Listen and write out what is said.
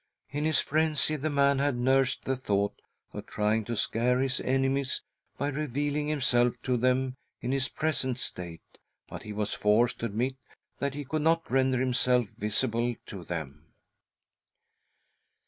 In his frenzy, the man had nursed the thought of trying to scare; his enemies by ^revealing himself to them in his present state, but he was forced to admit that he could not render himself visible to them.